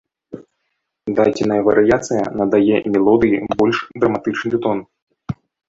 Дадзеная варыяцыя надае мелодыі больш драматычны тон.